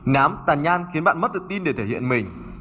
nám tàn nhan khiến bạn mất tự tin để thể hiện mình